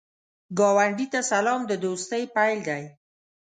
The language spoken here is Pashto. ګاونډي ته سلام، د دوستۍ پیل دی